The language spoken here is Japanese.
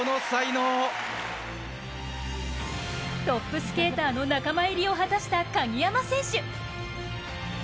トップスケーターの仲間入りを果たした鍵山選手。